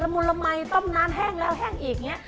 ละมุนละมัยต้มน้ำแห้งแล้วแห้งอีกเนี่ย